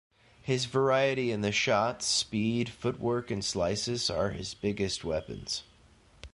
His variety in the shots, speed, footwork, and slices, are his biggest weapons.